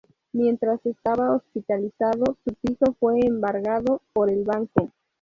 Mientras estaba hospitalizado, su piso fue embargado por el banco.